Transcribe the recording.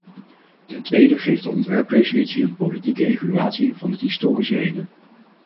Ten tweede geeft de ontwerpresolutie een politieke evaluatie van het historische heden.